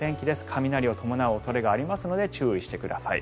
雷を伴う恐れがあるので注意してください。